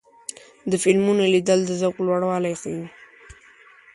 د فلمونو لیدل د ذوق لوړوالی ښيي.